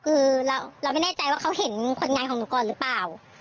คือเราไม่แน่ใจว่าเขาเห็นผลงานของหนูก่อนหรือเปล่า